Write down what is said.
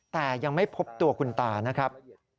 แต่ยังไม่พบตัวคุณตานะครับ